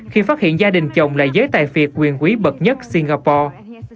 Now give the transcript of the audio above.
khi phát hiện gia đình chồng là giới tài phiệt quyền quý bậc nhất singapore